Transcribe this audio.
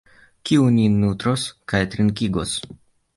Kiu nin nutros kaj trinkigos?